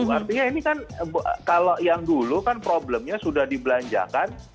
artinya ini kan kalau yang dulu kan problemnya sudah dibelanjakan